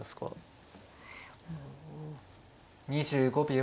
２５秒。